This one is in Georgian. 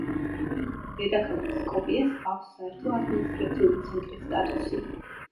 დედაქალაქ სკოპიეს აქვს საერთო ადმინისტრაციული ცენტრის სტატუსი.